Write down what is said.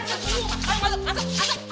masuk dulu masuk masuk